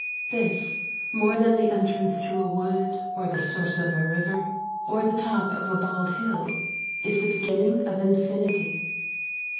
This, more than the entrance to a wood or the source of a river or the top of a bald hill, is the beginning of infinity.